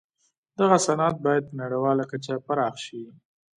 دغه صنعت باید په نړیواله کچه پراخ شي